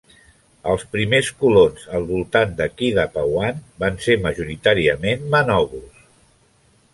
Els primers colons al voltant de Kidapawan van ser majoritàriament manobos.